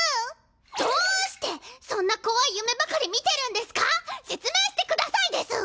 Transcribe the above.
どうしてそんな怖い夢ばかり見てるんですか⁉説明してくださいです！